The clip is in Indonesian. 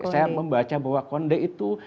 saya membaca bahwa konde itu